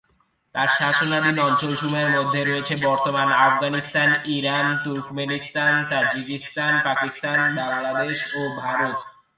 তার শাসনাধীন অঞ্চলসমূহের মধ্যে রয়েছে বর্তমান Afghanistan, Iran, Turkmenistan, Tajikistan, Pakistan, Bangladesh ও ভারত।